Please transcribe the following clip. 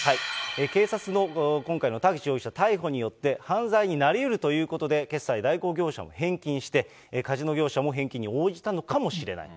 警察の今回の田口容疑者逮捕によって、犯罪になりうるということで、決済代行業者も返金して、カジノ業者も返金に応じたのかもしれない。